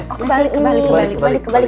oh kebalik kebalik